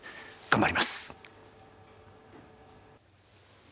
頑張ります！